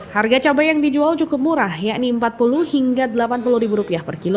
harga cabai yang dijual cukup murah yakni rp empat puluh hingga rp delapan puluh